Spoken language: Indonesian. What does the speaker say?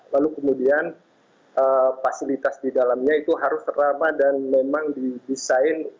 lalu kemudian fasilitas di dalamnya itu harus teramah dan memang didesain